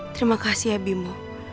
terima kasih ya bimbo